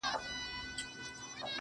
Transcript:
د گناهونو شاهدي به یې ویښتان ورکوي.